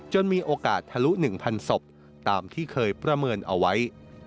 มีโอกาสทะลุ๑๐๐ศพตามที่เคยประเมินเอาไว้